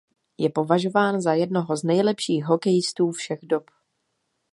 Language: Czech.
Je považován za jednoho z nejlepších hokejistů všech dob.